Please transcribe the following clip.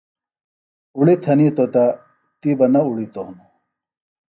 اُڑیۡ تھنیتوۡ تہ، تی بہ نہ اُڑیتوۡ ہِنوۡ